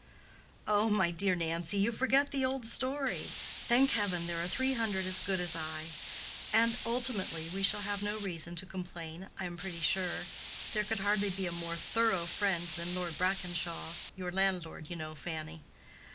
"Oh, my dear Nancy, you forget the old story—thank Heaven, there are three hundred as good as I. And ultimately, we shall have no reason to complain, I am pretty sure. There could hardly be a more thorough friend than Lord Brackenshaw—your landlord, you know, Fanny.